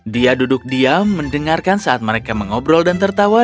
dia duduk diam mendengarkan saat mereka mengobrol dan tertawa